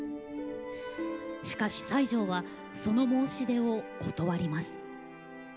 しかし、西條はその申し出を断ります。